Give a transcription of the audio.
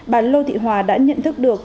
bà lô thị hòa đã nhận thức được